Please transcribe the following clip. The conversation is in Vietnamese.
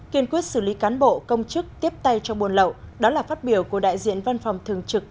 kiên quyết xử lý cán bộ công chức tiếp tay trong buồn lậu đó là phát biểu của đại diện văn phòng thường trực